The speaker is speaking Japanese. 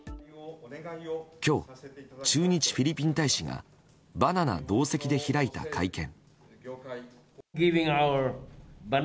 今日、駐日フィリピン大使がバナナ同席で開いた会見。